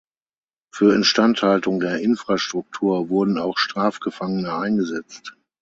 Für Instandhaltung der Infrastruktur wurden auch Strafgefangene eingesetzt.